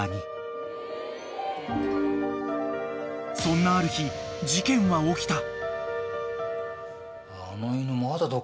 ［そんなある日事件は起きた］